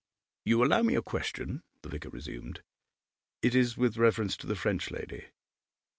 'You allow me a question?' the vicar resumed. 'It is with reference to the French lady.